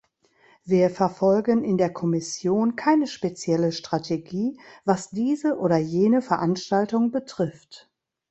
Wir verfolgen in der Kommission keine spezielle Strategie, was diese oder jene Veranstaltung betrifft.